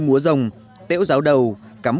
múa rồng tễu ráo đầu cắm